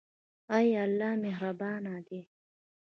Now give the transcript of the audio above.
آیا الله مهربان دی؟